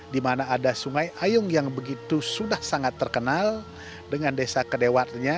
di mana ada sungai ayung yang begitu sudah sangat terkenal dengan desa kedewatnya